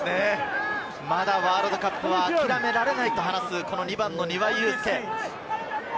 まだワールドカップは諦められないと話す庭井祐輔です。